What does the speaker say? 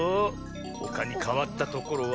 ほかにかわったところは。